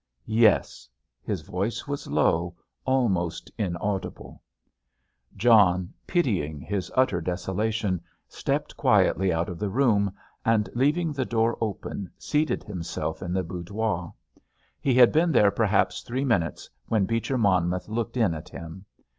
"Yes." His voice was low, almost inaudible. John, pitying his utter desolation, stepped quietly out of the room, and, leaving the door open, seated himself in the boudoir. He had been there perhaps three minutes, when Beecher Monmouth looked in at him.